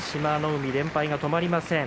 海は連敗が止まりません。